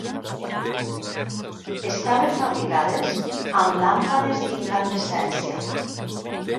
Estaven fabricades amb làmpades d'incandescència.